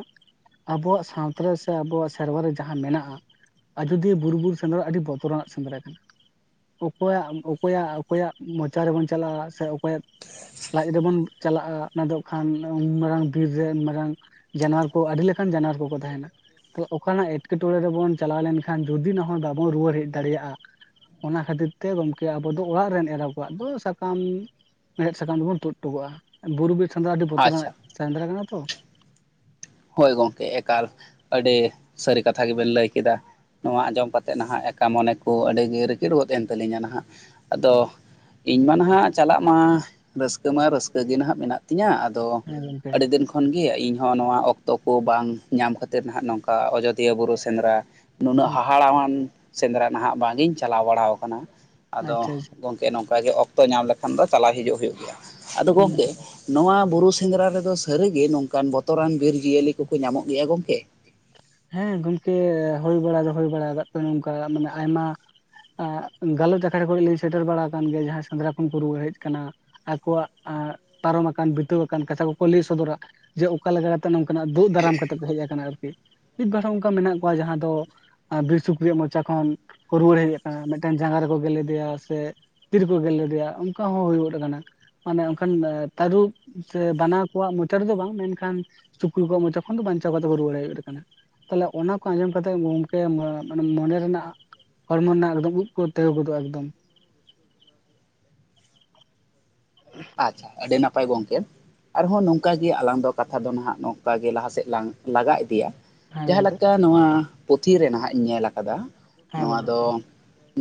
ᱟᱵᱚᱣᱟᱜ ᱥᱟᱶᱛᱟ ᱨᱮ ᱥᱮ ᱟᱵᱚᱣᱟᱜ ᱥᱮᱨᱣᱟ ᱨᱮ ᱡᱟᱦᱟᱸ ᱢᱮᱱᱟᱜ-ᱟ, ᱟᱡᱚᱫᱤᱭᱟᱹ ᱵᱩᱨᱩ ᱵᱤᱨ ᱥᱮᱸᱫᱽᱨᱟ ᱟᱹᱰᱤ ᱵᱚᱛᱚᱨ ᱟᱱᱟᱜ ᱥᱮᱸᱫᱽᱨᱟ ᱠᱟᱱᱟ, ᱚᱠᱚᱭᱟᱜ, ᱚᱠᱚᱭᱟᱜ, ᱚᱠᱚᱭᱟᱜ ᱢᱚᱪᱟ ᱨᱮᱵᱚᱱ ᱪᱟᱞᱟᱣᱟ ᱥᱮ ᱚᱠᱚᱭᱟᱜ ᱞᱟᱡ ᱨᱮᱵᱚᱱ ᱪᱟᱞᱟᱜ-ᱟ ᱚᱱᱟ ᱫᱚ ᱠᱷᱟᱱ ᱩᱱ ᱢᱟᱨᱟᱝ ᱵᱤᱨ ᱨᱮ ᱢᱟᱨᱟᱝ ᱡᱟᱱᱣᱟᱨ ᱠᱚ ᱟᱹᱰᱤ ᱞᱮᱠᱟᱱ ᱡᱟᱱᱣᱟᱨ ᱠᱚᱠᱚ ᱛᱟᱦᱮᱱᱟ᱾ ᱛᱚ ᱚᱠᱟᱱᱟᱜ ᱮᱸᱴᱠᱮᱴᱚᱬᱮ ᱨᱮᱵᱚᱱ ᱪᱟᱞᱟᱣ ᱞᱮᱱᱠᱷᱟᱱ ᱡᱩᱫᱤ ᱱᱮᱦᱚᱸ ᱵᱟᱵᱚᱱ ᱨᱩᱣᱟᱹᱲ ᱦᱮᱡ ᱫᱟᱲᱮᱭᱟᱜ-ᱟ, ᱚᱱᱟ ᱠᱷᱟᱹᱛᱤᱨ ᱛᱮ ᱜᱚᱢᱠᱮ ᱟᱵᱚ ᱫᱚ ᱚᱲᱟᱜ ᱨᱮᱱ ᱮᱨᱟ ᱟᱵ- ᱠᱚᱣᱟᱜ ᱫᱚ ᱥᱟᱠᱟᱢ ᱢᱮᱲᱦᱮᱫ ᱥᱟᱠᱟᱢ ᱫᱚ ᱵᱚᱱ ᱛᱩᱫ ᱚᱴᱚᱠᱚᱜ-ᱟ᱾ ᱵᱩᱨᱩ ᱵᱤᱨ ᱥᱮᱸᱽᱫᱨᱟ ᱟᱹᱰᱤ ᱟᱪᱪᱷᱟ ᱵᱚᱛᱚᱨᱟᱜ ᱥᱮᱸᱫᱽᱨᱟ ᱠᱟᱱᱟ ᱛᱚ᱾ ᱦᱳᱭ ᱜᱚᱝᱠᱮ ᱮᱠᱟᱞ ᱟᱹᱰᱤ ᱥᱟᱹᱨᱤ ᱠᱟᱛᱷᱟ ᱜᱮᱵᱮᱱ ᱞᱟᱹᱭ ᱠᱮᱫᱟ᱾ ᱱᱚᱣᱟ ᱟᱸᱡᱚᱢ ᱠᱟᱛᱮᱫ ᱱᱟᱦᱟᱜ ᱮᱠᱟ ᱢᱚᱱᱮ ᱠᱚ ᱟᱹᱰᱤ ᱜᱮ ᱨᱤᱠᱤᱲ ᱜᱚᱫ ᱮᱱ ᱛᱟᱹᱞᱤᱧᱟ ᱱᱟᱦᱟᱜ᱾ ᱟᱫᱚ ᱤᱧ ᱢᱟ ᱱᱟᱦᱟᱜ ᱪᱟᱞᱟᱜ ᱢᱟ ᱨᱟᱹᱥᱠᱟᱹ ᱢᱟ ᱨᱟᱹᱥᱠᱟᱹ ᱜᱮ ᱱᱟᱦᱟᱜ ᱢᱮᱱᱟᱜ ᱛᱤᱧᱟᱹ᱾ ᱟᱫᱚ ᱦᱮᱸ ᱜᱚᱢᱠᱮ ᱟᱹᱰᱤ ᱫᱤᱱ ᱠᱷᱚᱱ ᱜᱤ ᱤᱧ ᱦᱚᱸ ᱱᱚᱣᱟ ᱚᱠ- ᱛᱚ ᱠᱚ ᱵᱟᱝ ᱧᱟᱢ ᱠᱷᱟᱹᱛᱤᱨ ᱱᱟᱦᱟᱜ ᱱᱚᱝᱠᱟ ᱚᱡᱚᱫᱤᱭᱟᱹ ᱵᱩᱨᱩ ᱥᱮᱸᱫᱽᱨᱟ ᱱᱩᱱᱟᱹᱜ ᱦᱟᱦᱟᱲᱟᱣ-ᱟᱱ ᱥᱮᱸᱫᱽᱨᱟ ᱱᱟᱦᱟᱜ ᱵᱟᱝ ᱤᱧ ᱪᱟᱞᱟᱣ ᱵᱟᱲᱟ ᱟᱠᱟᱱᱟ᱾ ᱟᱪᱪᱷᱟ ᱟᱫᱚ ᱟᱪᱪᱷᱟ ᱜᱚᱝ- ᱠᱮ ᱱᱚᱝᱠᱟ ᱜᱮ ᱚᱠᱛᱚ ᱧᱟᱢ ᱞᱮᱠᱷᱟᱱ ᱫᱚ ᱪᱟᱞᱟᱣ ᱦᱤᱡᱩᱜ ᱦᱩᱭᱩᱜ ᱜᱮᱭᱟ᱾ ᱟᱫᱚ ᱦᱮᱸ ᱜᱚᱝᱠᱮ ᱱᱚᱣᱟ ᱵᱩᱨᱩ ᱥᱮᱸᱫᱽᱨᱟ ᱨᱮᱫᱚ ᱥᱟᱹᱨᱤ ᱜᱮ ᱱᱚᱝᱠᱟᱱ ᱵᱚᱛᱚᱨᱟᱱ ᱵᱤᱨ ᱡᱤᱭᱟᱹᱞᱤ ᱠᱚᱠᱚ ᱧᱟᱢᱚᱜ ᱜᱮᱭᱟ ᱜᱚᱝᱠᱮ? ᱦᱮᱸ ᱜᱚᱝᱠᱮ ᱦᱩᱭ ᱵᱟᱲᱟ ᱫᱚ ᱦᱩᱭ ᱵᱟᱲᱟ ᱠᱟᱫ ᱠᱚ ᱱᱚᱝᱠᱟ ᱢᱟᱱᱮ ᱟᱭᱢᱟ ᱜᱟᱞᱚᱪ ᱟᱠᱷᱲᱟ ᱠᱚᱨᱮ ᱞᱤᱧ ᱥᱮᱴᱮᱨ ᱵᱟᱲᱟ ᱟᱠᱟᱱ ᱜᱮᱭᱟ ᱡᱟᱦᱟᱸᱭ ᱥᱮᱸᱫᱽᱨᱟ ᱠᱷᱚᱱ ᱠᱚ ᱨᱩᱣᱟᱹᱲ ᱦᱮᱡ ᱠᱟᱱᱟ᱾ ᱟᱠᱚᱣᱟᱜ ᱯᱟᱨᱚᱢ ᱟᱠᱟᱱ ᱵᱤᱛᱟᱹᱣ ᱟᱠᱟᱱ ᱠᱟᱛᱷᱟ ᱠᱚᱠᱚ ᱞᱟᱹᱭ ᱥᱚᱫᱚᱨᱟ ᱡᱮ, ᱚᱠᱟ ᱞᱮᱠᱟ ᱱᱚᱝᱠᱟ ᱱᱟᱜ ᱫᱳᱜ ᱫᱟᱨᱟᱢ ᱠᱟᱛᱮᱫ ᱠᱚ ᱦᱮᱡ ᱟᱠᱟᱱᱟ ᱟᱨᱠᱤ, ᱢᱤᱫ ᱵᱟᱨ ᱚᱱᱠᱟ ᱢᱮᱱᱟᱜ ᱠᱚᱣᱟ ᱡᱟᱦᱟᱸ ᱫᱚ ᱟᱨ ᱵᱤᱨ ᱥᱩᱠᱨᱤ ᱨᱮᱭᱟᱜ ᱢᱚᱪᱟ ᱠᱷᱚᱱ ᱠᱚ ᱨᱩᱣᱟᱹᱲ ᱦᱮᱡ ᱟᱠᱟᱱᱟ᱾ ᱢᱮᱫᱴᱟᱱ ᱡᱟᱸᱜᱟ ᱨᱮᱠᱚ ᱜᱮᱨ ᱞᱮᱫᱮᱭᱟ ᱥᱮ ᱛᱤ ᱨᱮᱠᱚ ᱜᱮᱨ ᱞᱮᱫᱮᱭᱟ᱾ ᱚᱱᱠᱟ ᱦᱚᱸ ᱦᱩᱭ ᱜᱚᱫ ᱟᱠᱟᱱᱟ᱾ ᱢᱟᱱᱮ ᱚᱱᱠᱟᱱ ᱛᱟᱹᱨᱩᱵ ᱥᱮ ᱵᱟᱱᱟ ᱠᱚᱣᱟᱜ ᱢᱚᱪᱟ ᱨᱮᱫᱚ ᱵᱟᱝ, ᱢᱮᱱᱠᱷᱟᱱ, ᱥᱩᱠᱨᱤ ᱠᱚᱣᱟᱜ ᱢᱚᱪᱟ ᱠᱷᱚᱱ ᱫᱚ ᱵᱟᱧᱪᱟᱣ ᱠᱟᱛᱮ ᱠᱚ ᱨᱩᱣᱟᱹᱲ ᱦᱮᱡ ᱦᱩᱭᱩᱜ [unintelligible] ᱠᱟᱱᱟ᱾ ᱛᱟᱦᱚᱞᱮ ᱚᱱᱟ ᱠᱚ ᱟᱸᱡᱚᱢ ᱠᱟᱛᱮᱜ ᱜᱚᱝᱠᱮ ᱢᱟᱱᱮ ᱢᱚᱱᱮ ᱨᱮᱱᱟᱜ, ᱦᱚᱲᱢᱚ ᱨᱮᱱᱟᱜ ᱮᱠᱫᱚᱢ ᱩᱵ ᱠᱚ ᱛᱤᱸᱜᱩ ᱜᱚᱫᱚᱜ ᱮᱠᱫᱚᱢ᱾ ᱟᱪᱪᱷᱟ ᱟᱹᱰᱤ ᱱᱟᱯᱟᱭ ᱜᱚᱝᱠᱮ, ᱟᱨᱦᱚᱸ ᱱᱚᱝᱠᱟᱜᱮ ᱟᱞᱟᱝ ᱫᱚ ᱠᱟᱛᱷᱟ ᱫᱚ ᱱᱟᱦᱟᱜ ᱱᱚᱝᱠᱟᱜᱮ ᱞᱟᱦᱟ ᱥᱮᱫ ᱞᱟᱝ ᱞᱟᱜᱟ ᱤᱫᱤᱭᱟ᱾ ᱦᱮᱸ ᱡᱟᱦᱟᱸ ᱜᱚᱝᱠᱮ ᱞᱮᱠᱟ ᱱᱚᱣᱟ ᱯᱩᱛᱷᱤ ᱨᱮ ᱱᱟᱦᱟᱜ ᱤᱧ ᱧᱮᱞ ᱠᱟᱫᱟ᱾ ᱦᱮᱸ ᱱᱚᱣᱟ ᱜᱚᱝᱠᱮ ᱫᱚ,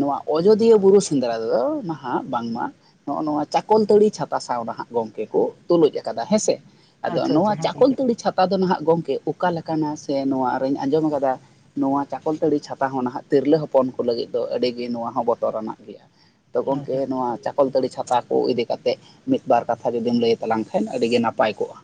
ᱱᱚᱣᱟ ᱚᱡᱚᱫᱤᱭᱟᱹ ᱵᱩᱨᱩ ᱥᱮᱸᱫᱽᱨᱟ ᱨᱮᱫᱚ ᱱᱟᱦᱟᱜ ᱵᱟᱝᱢᱟ ᱱᱚᱜᱼᱚ ᱱᱚᱣᱟ ᱪᱟᱠᱚᱞ ᱛᱟᱹᱲᱤ, ᱪᱷᱟᱛᱟ ᱥᱟᱸᱣ ᱱᱟᱦᱟᱜ ᱜᱚᱝᱠᱮ ᱠᱚ ᱛᱳᱞᱳᱡ ᱠᱟᱫᱟ ᱦᱮᱸᱥᱮ᱾ ᱟᱫᱚ ᱟᱪᱪᱷᱟ ᱟᱪᱪᱷᱟ ᱱᱚᱣᱟ ᱦᱮᱸ ᱜᱚᱝᱠᱮ ᱪᱟᱠᱚᱞᱛᱟᱹᱲᱤ ᱪᱷᱟᱛᱟ [unintelligible] ᱫᱚ ᱱᱟᱦᱟᱜ ᱜᱚᱢᱠᱮ ᱚᱠᱟ ᱞᱮᱠᱟᱱᱟ ᱥᱮ ᱱᱚᱣᱟ ᱟᱨᱚᱧ ᱟᱸᱡᱚᱢ ᱠᱟᱫᱟ, ᱱᱚᱣᱟ ᱪᱟᱠᱚᱞᱛᱟᱹᱲᱤ ᱪᱷᱟᱛᱟ ᱦᱚᱸ ᱱᱟᱦᱟᱜ ᱛᱤᱨᱞᱟᱹ ᱦᱚᱯᱚᱱ ᱠᱚ ᱞᱟᱹᱜᱤᱫ ᱫᱚ ᱟᱹᱰᱤᱜᱮ ᱱᱚᱣᱟ ᱦᱚᱸ ᱵᱚᱛᱚᱨᱟᱱᱟᱜ ᱜᱮᱭᱟ᱾ ᱛᱚ ᱟᱪᱪᱷᱟ᱾ ᱜᱚᱝᱠᱮ ᱱᱚᱣᱟ ᱪᱟᱠᱚᱞᱛᱟᱹᱲᱤ ᱪᱷᱟᱛᱟ ᱠᱚ ᱤᱫᱤ ᱠᱟᱛᱮᱫ ᱢᱤᱫ ᱵᱟᱨ ᱠᱟᱛᱷᱟ ᱡᱩᱫᱤᱢ ᱞᱟᱹᱭ ᱛᱟᱞᱟᱝ ᱠᱷᱟᱱ ᱟᱹᱰᱤ ᱜᱮ ᱱᱟᱯᱟᱭ ᱠᱚᱜᱼᱟ᱾